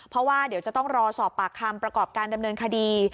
เพราะว่าเดี๋ยวจะต้องรอสอบปากคำประกอบการดำเนินคดี